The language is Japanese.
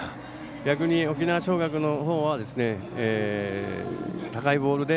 逆に沖縄尚学のほうは高いボール